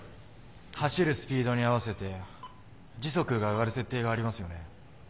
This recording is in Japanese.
走るスピードに合わせて時速が上がる設定がありますよね。